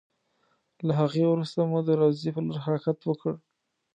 له هغې وروسته مو د روضې په لور حرکت وکړ.